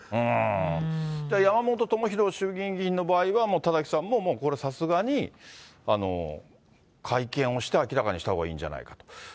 だから山本朋広衆議院議員の場合は、田崎さんももうこれ、さすがに会見をして明らかにしたほうがいいんじゃないかと。